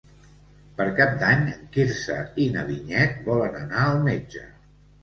Per Cap d'Any en Quirze i na Vinyet volen anar al metge.